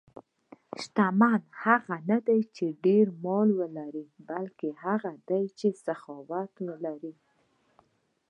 شتمن هغه نه دی چې ډېر مال ولري، بلکې هغه دی چې سخاوت لري.